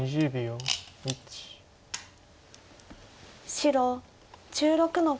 白１６の五。